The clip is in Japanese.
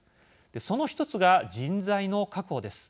その１つが人材の確保です。